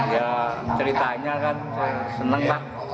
ya ceritanya kan senang